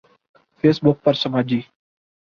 face بک پر سماجی